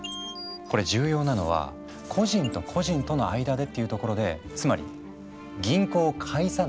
これ重要なのは「個人と個人との間で」っていうところでつまり「銀行を介さない」という意味。